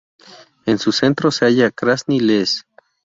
En su centro se halla Krasni Les.